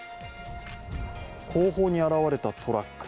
後方に現れたトラック。